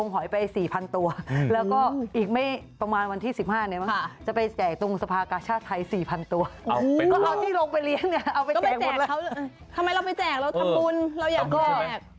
ทำไมเราไปแจกเราทำบุญเราอยากแจก